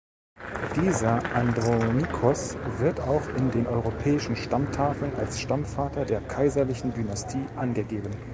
Dieser Andronikos wird auch in den Europäischen Stammtafeln als Stammvater der kaiserlichen Dynastie angegeben.